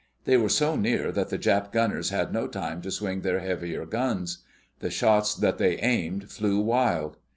They were so near that the Jap gunners had no time to swing their heavier guns. The shots that they aimed flew wild.